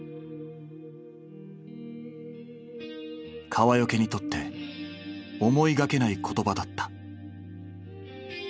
川除にとって思いがけない言葉だった。